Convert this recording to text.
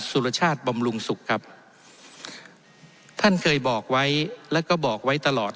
สุรชาติบำรุงสุขครับท่านเคยบอกไว้แล้วก็บอกไว้ตลอด